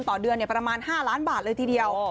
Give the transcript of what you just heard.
ต่อเดือนประมาณ๕ล้านบาทเลยทีเดียว